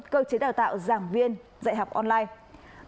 cơ chế đào tạo giảng viên dạy học online